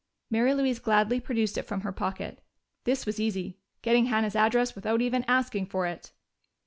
Mary Louise gladly produced it from her pocket: this was easy getting Hannah's address without even asking for it.